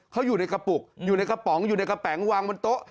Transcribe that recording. เขาอยู่ในกระปุกอยู่ในกระป๋องอยู่ในกระแป๋งวางบนโต๊ะ